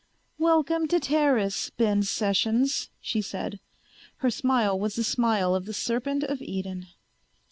"Welcome to Teris, Ben Sessions," she said. Her smile was the smile of the serpent of Eden.